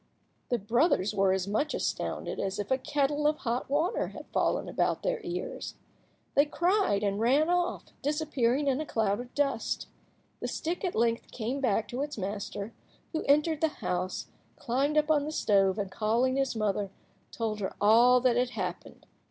The brothers were as much astounded as if a kettle of hot water had fallen about their ears. They cried out and ran off, disappearing in a cloud of dust. The stick at length came back to its master, who entered the house, climbed up on the stove, and, calling his mother, told her all that had happened.